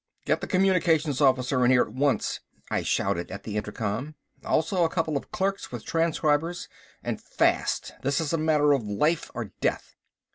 "Get the Communications Officer in here at once," I shouted at the intercom. "Also a couple of clerks with transcribers. And fast this is a matter of life or death!"